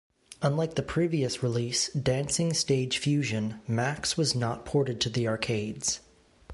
Unlike the previous release, "Dancing Stage Fusion", Max was not ported to the arcades.